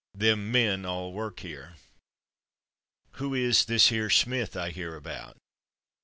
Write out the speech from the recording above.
/Them/ men all work here. Who is /this here/ Smith I hear about?